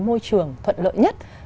môi trường thuận lợi nhất